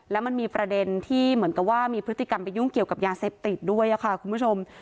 แล้วมันมีประเด็นที่เหมือนกับว่ามีพฤติกรรมไปยุ่งเกี่ยวกับยาเสพติดด้วยค่ะคุณผู้ชม